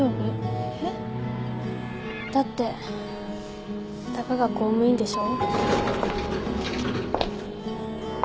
えっ？だってたかが公務員でしょ？